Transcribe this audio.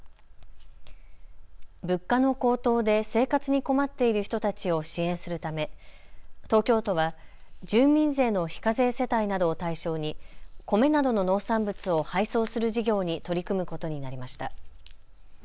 物価の高騰で生活に困っている人たちを支援するため東京都は住民税の非課税世帯などを対象に米などの農産物を配送する事業に取り組むことになりました。